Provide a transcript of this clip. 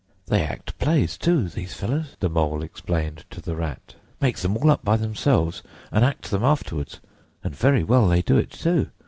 "They act plays too, these fellows," the Mole explained to the Rat. "Make them up all by themselves, and act them afterwards. And very well they do it, too!